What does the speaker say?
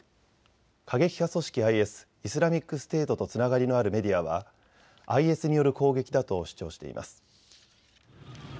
過激派組織、ＩＳ・イスラミックステートとつながりのあるメディアはＩＳによる攻撃だと主張しています。